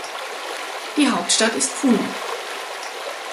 Die Hauptstadt ist Puno.